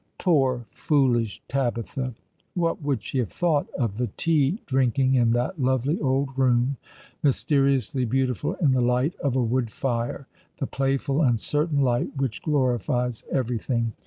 Poor, foolish Tabitha 1 What would she have thought of the tea drinking in that lovely old room, mysteriously beau tiful in the light of a wood fire — the playful, uncertain light which glorifies everything